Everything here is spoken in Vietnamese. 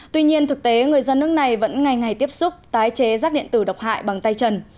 tuy nhiên thực tế người dân nước này vẫn ngày ngày tiếp xúc tái chế rác điện tử độc hại bằng tay chân